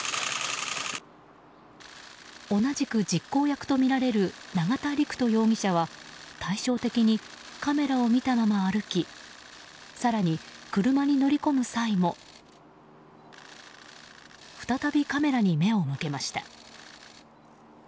同じく実行役とみられる永田陸人容疑者は対照的に、カメラを見たまま歩き更に車に乗り込む際も再びカメラに目を向けました。